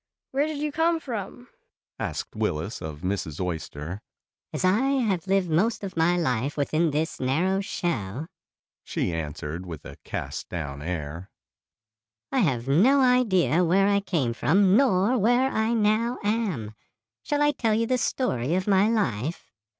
"Where did you come from?" asked Willis of Mrs. Oyster. "As I have lived most of my life within this narrow shell," she answered with a cast down air, "I have no idea where I came from nor where I now am. Shall I tell you the story of my life?"